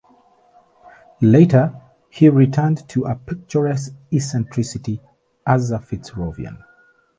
Later he returned to a picturesque eccentricity as a Fitzrovian.